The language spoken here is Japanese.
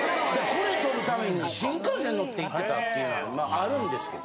これ撮るために新幹線乗って行ってたっていうのあるんですけど。